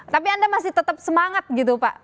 tapi anda masih tetap semangat gitu pak